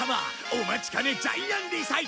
お待ちかねジャイアンリサイタル